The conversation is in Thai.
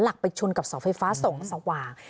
หลักไปชนกับเสาไฟฟ้าส่องสว่าง